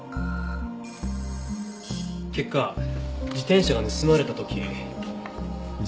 結果自転車が盗まれた時。